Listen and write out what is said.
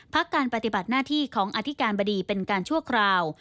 การปฏิบัติหน้าที่ของอธิการบดีเป็นการชั่วคราว